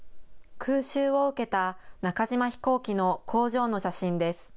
空襲を受けた中島飛行機の工場の写真です。